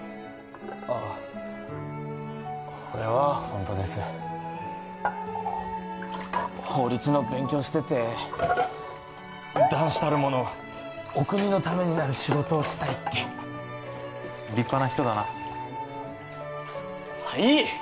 ああほれはホントです法律の勉強してて男子たるものお国のためになる仕事をしたいって立派な人だなはい！